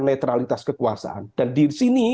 netralitas kekuasaan dan di sini